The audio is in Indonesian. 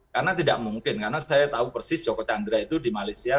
karena tidak mungkin karena saya tahu persis joko tjandra itu di malaysia